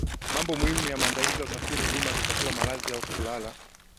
Mambo muhimu ya maandalizi ya usafiri huduma za chakula malazi au kulala